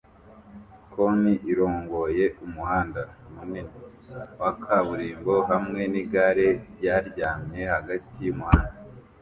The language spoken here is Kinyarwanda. koni irongoye umuhanda munini wa kaburimbo hamwe nigare ryaryamye hagati yumuhanda